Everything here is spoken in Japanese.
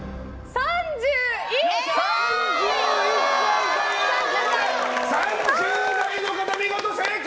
３０代の方、見事正解！